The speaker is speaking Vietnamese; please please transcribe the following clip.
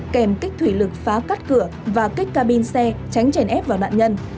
kèm kích thủy lực phá cắt cửa và kích cabin xe tránh chèn ép vào nạn nhân